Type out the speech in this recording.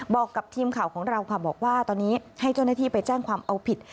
บอกกับทีมข่าวของเราค่ะบอกว่าตอนนี้ให้เจ้าหน้าที่ไปแจ้งความเอาผิด